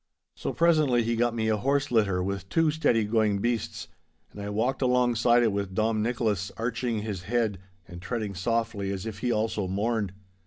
So presently he got me a horse litter with two steady going beasts, and I walked alongside it with Dom Nicholas arching his head and treading softly as if he also mourned.